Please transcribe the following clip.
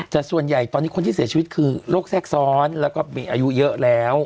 แต่ส่วนใหญ่ตอนนี้คนที่เสียชีวิตคือโรคแทรกซ้อนแล้วก็มีอายุเยอะแล้ว